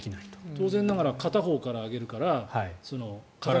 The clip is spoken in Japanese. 当然ながら片方から揚げるから。